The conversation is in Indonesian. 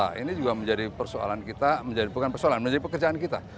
nah ini juga menjadi persoalan kita menjadi bukan persoalan menjadi pekerjaan kita